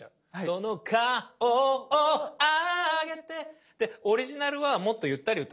「その顔をあげて」でオリジナルはもっとゆったり歌ってる。